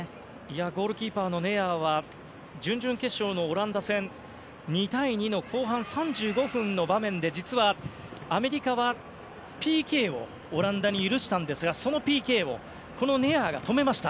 ゴールキーパーのネアーは準々決勝のオランダ戦２対２の後半３５分の場面で実はアメリカはＰＫをオランダに許したんですがそのＰＫをネアーが止めました。